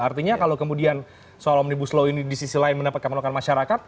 artinya kalau kemudian soal omnibus law ini di sisi lain mendapatkan penolakan masyarakat